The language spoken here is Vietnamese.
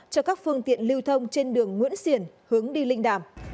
cho các phương tiện lưu thông trên đường nguyễn xiển hướng đi linh đàm